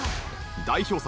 代表作